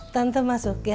tante masuk ya